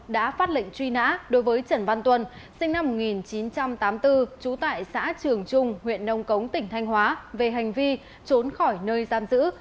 đã phát lệnh truy nã đối với trần văn tuân sinh năm một nghìn chín trăm tám mươi bốn trú tại xã trường trung huyện nông cống tỉnh thanh hóa về hành vi trốn khỏi nơi giam giữ